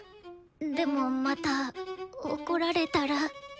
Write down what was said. でもまた怒られたら。